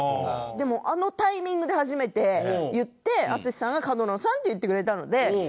でもあのタイミングで初めて言って淳さんが「角野さん」って言ってくれたので。